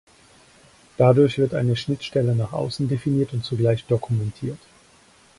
Dadurch wird eine Schnittstelle nach außen definiert und zugleich dokumentiert.